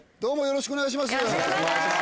よろしくお願いします。